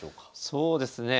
そうですね